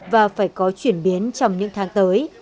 và phải có chuyển biến trong những tháng tới